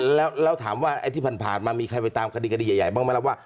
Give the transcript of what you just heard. แล้วถามว่าไอ้ที่ผ่านมามีใครไปตามคดีคดีใหญ่บ้างไหมล่ะว่า